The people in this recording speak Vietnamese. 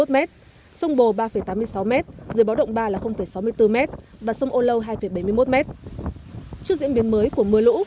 năm mươi một m sông bồ ba tám mươi sáu m dưới báo động ba là sáu mươi bốn m và sông ô lâu hai bảy mươi một m trước diễn biến mới của mưa lũ